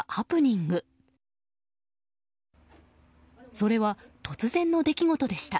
それは突然の出来事でした。